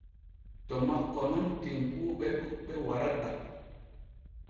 To makko nun tenkuuɓe ɗuɓɓe warata.